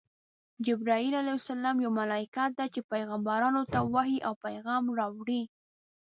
جبراییل ع یوه ملایکه ده چی پیغمبرانو ته وحی او پیغام راوړي.